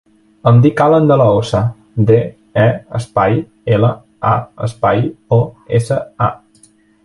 Em dic Alan De La Osa: de, e, espai, ela, a, espai, o, essa, a.